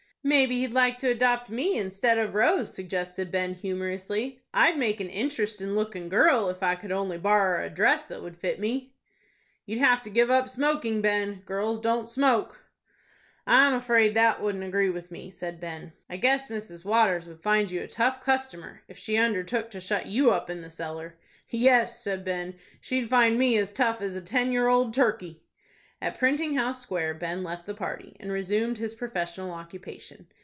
"Maybe he'd like to adopt me instead of Rose," suggested Ben, humorously. "I'd make an interestin' lookin' girl if I could only borrer a dress that would fit me." "You'd have to give up smoking, Ben. Girls don't smoke." "I'm afraid that wouldn't agree with me," said Ben. "I guess Mrs. Waters would find you a tough customer, if she undertook to shut you up in the cellar." "Yes," said Ben, "she'd find me as tough as a ten year old turkey." At Printing House Square, Ben left the party, and resumed his professional occupation.